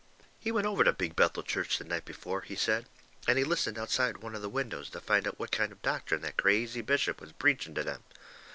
He went over to Big Bethel church the night before, he said, and he listened outside one of the windows to find out what kind of doctrine that crazy bishop was preaching to them.